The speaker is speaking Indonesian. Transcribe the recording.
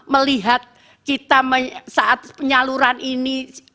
melihat kita saat penyaluran ini